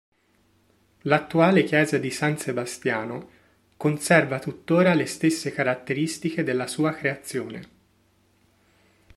L'attuale chiesa di San Sebastiano conserva tuttora le stesse caratteristiche della sua creazione.